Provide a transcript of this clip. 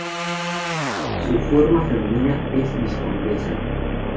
Su forma femenina es vizcondesa.